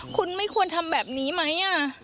คุณไม่ควรทำแบบนี้ไหม